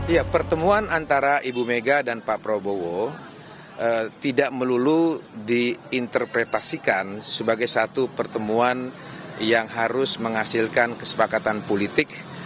ya pertemuan antara ibu mega dan pak prabowo tidak melulu diinterpretasikan sebagai satu pertemuan yang harus menghasilkan kesepakatan politik